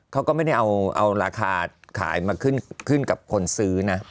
เขาก็ไม่ได้เอาราคาขายมาขึ้นกับคนซื้อนะ